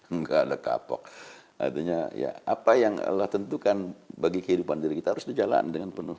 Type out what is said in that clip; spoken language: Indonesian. enggak ada kapok artinya ya apa yang allah tentukan bagi kehidupan diri kita harus dijalan dengan penuh